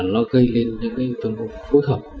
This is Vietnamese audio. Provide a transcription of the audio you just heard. nó gây lên những tầm hồn phối hợp